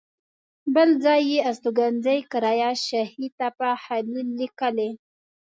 بل ځای یې استوګنځی قریه شاهي تپه خلیل لیکلی.